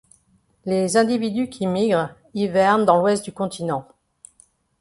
Les individus qui migrent hivernent dans l'ouest du continent.